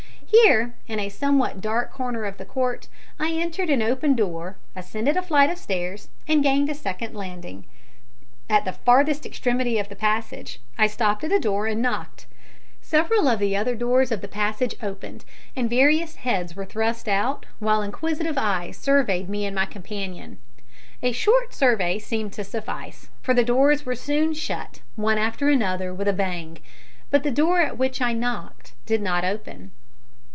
Here, in a somewhat dark corner of the court, I entered an open door, ascended a flight of stairs, and gained a second landing. At the farthest extremity of the passage I stopped at a door and knocked. Several of the other doors of the passage opened, and various heads were thrust out, while inquisitive eyes surveyed me and my companion. A short survey seemed to suffice, for the doors were soon shut, one after another, with a bang, but the door at which I knocked did not open.